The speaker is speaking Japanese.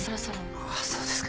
ああそうですか。